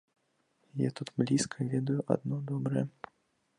Я тут блізка ведаю адно добрае.